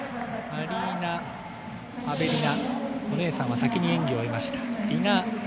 アリーナ・アベリナ、お姉さんは先に演技を終えました。